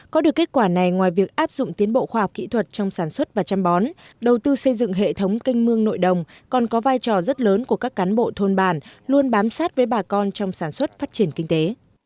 có được kết quả này ngoài việc áp dụng tiến bộ khoa học kỹ thuật trong sản xuất và chăm bón đầu tư xây dựng hệ thống canh mương nội đồng còn có vai trò rất lớn của các cán bộ thôn bản luôn bám sát với bà con trong sản xuất phát triển kinh tế